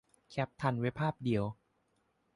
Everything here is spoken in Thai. แคปทันไว้ภาพเดียว